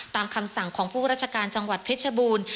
คำสั่งของผู้ราชการจังหวัดเพชรบูรณ์